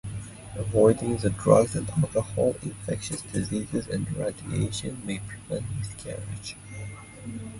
Avoiding drugs and alcohol, infectious diseases, and radiation may prevent miscarriage.